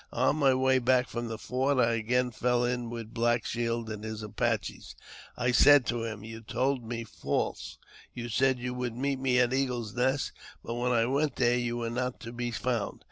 On my way back from the fort I again fell in with Black Shield and his Apaches. I said to him, " You told me false. You said that you would meet me at the Eagle's Nest, but when I went there you were not to be found.